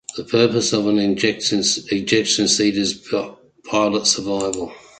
The purpose of an ejection seat is pilot survival.